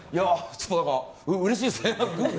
ちょっと、何かうれしいですね。